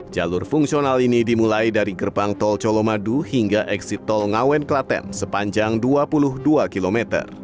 jalur fungsional ini dimulai dari gerbang tol colomadu hingga eksit tol ngawen klaten sepanjang dua puluh dua km